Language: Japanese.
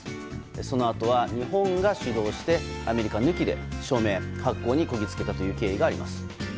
そのあとは日本が主導してアメリカ抜きで署名・発行にこぎつけた経緯があります。